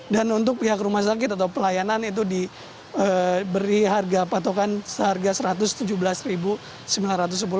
dan untuk pihak rumah sakit atau pelayanan itu diberi harga patokan seharga rp satu ratus tujuh belas sembilan ratus sepuluh